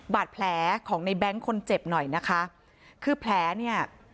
บาดแผลของในแบงค์คนเจ็บหน่อยนะคะคือแผลเนี่ย